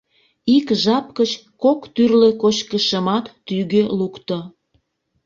Ик жап гыч кок тӱрлӧ кочкышымат тӱгӧ лукто.